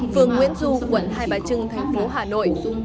phường nguyễn du quận hai bà trưng thành phố hà nội